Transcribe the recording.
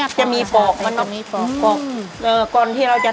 ยัดให้แน่นเลยจ้า